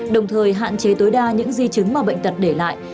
đồng thời hạn chế tối đa những di chứng mà bệnh tật để lại